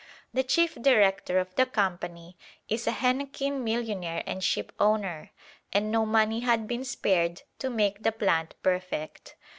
The chief director of the Company is a henequen millionaire and shipowner, and no money had been spared to make the plant perfect.